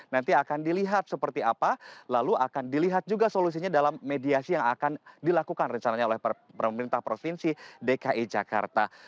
nanti akan dilihat seperti apa lalu akan dilihat juga solusinya dalam mediasi yang akan dilakukan rencananya oleh pemerintah provinsi dki jakarta